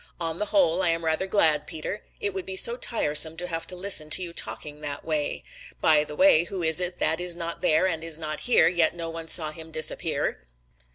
On the whole I am rather glad, Peter. It would be so tiresome to have to listen to you talking that way. By the way, who is it that is not there and is not here, yet no one saw him disappear?"